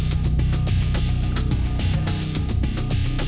sebentar ya aku tanya susternya dulu